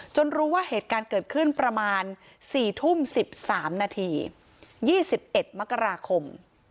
จนรู้ว่าเหตุการณ์เกิดขึ้นประมาณสี่ทุ่มสิบสามนาทียี่สิบเอ็ดมกราคม